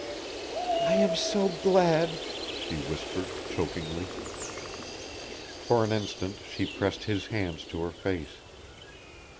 "I am so glad," she whispered, chokingly. For an instant she pressed his hands to her face.